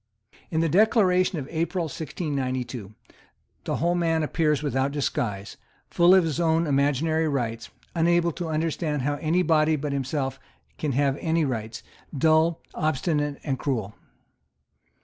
In the Declaration of April 1692 the whole man appears without disguise, full of his own imaginary rights, unable to understand how any body but himself can have any rights, dull, obstinate and cruel.